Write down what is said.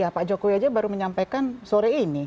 pak jokowi aja baru menyampaikan sore ini